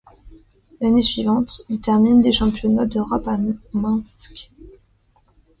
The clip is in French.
L'année suivante, il termine des championnats d'Europe à Minsk.